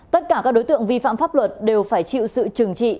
tất cả các đối tượng vi phạm pháp luật đều phải chịu sự trừng trị